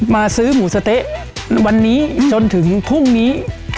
ซื้อหมูสะเต๊ะวันนี้จนถึงพรุ่งนี้